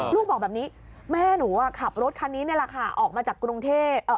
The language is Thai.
ลูกบอกแบบนี้แม่หนูขับรถคันนี้นี่แหละค่ะ